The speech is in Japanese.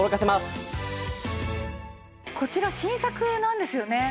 こちら新作なんですよね？